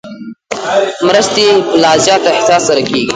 مرستې په لا زیات احتیاط سره کېږي.